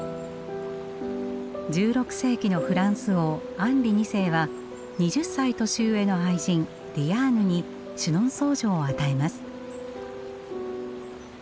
１６世紀のフランス王アンリ二世は２０歳年上の愛人ディアーヌにシュノンソー城を与えます。